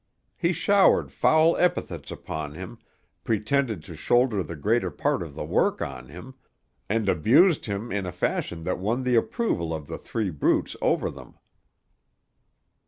He showered foul epithets upon him, pretended to shoulder the greater part of the work on him, and abused him in a fashion that won the approval of the three brutes over them.